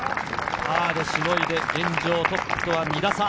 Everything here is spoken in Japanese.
パーでしのいで、現状トップと２打差。